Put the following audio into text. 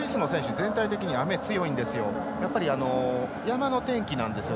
全体的に雨に強いんですよ。